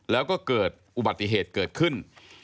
แล้วก็เกิดอุบัติเหตุเกิดขึ้น